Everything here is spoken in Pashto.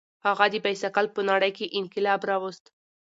هغه د بایسکل په نړۍ کې انقلاب راوست.